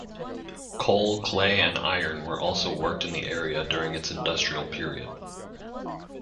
Coal, clay and iron were also worked in the area during its industrial period.